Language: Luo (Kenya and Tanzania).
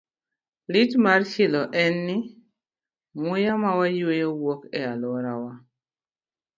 Lit mar chilo en ni, muya ma wayueyo wuok e alworawa.